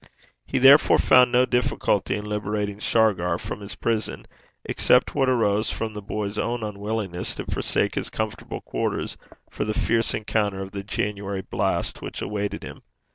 He therefore found no difficulty in liberating Shargar from his prison, except what arose from the boy's own unwillingness to forsake his comfortable quarters for the fierce encounter of the January blast which awaited him.